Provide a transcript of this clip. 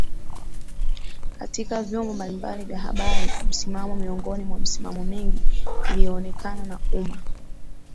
katika vyombo mbalimbali vya habari na msimamo miongoni mwa misimamo mingi iliyoonekana na umma